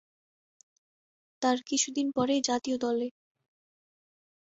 তার কিছু দিন পরে জাতীয় দলে।